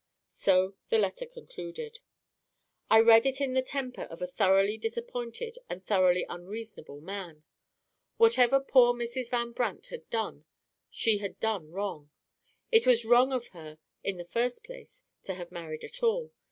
So the letter concluded. I read it in the temper of a thoroughly disappointed and thoroughly unreasonable man. Whatever poor Mrs. Van Brandt had done, she had done wrong. It was wrong of her, in the first place, to have married at all.